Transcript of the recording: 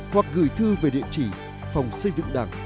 hoặc gửi thư về địa chỉ phòng xây dựng đảng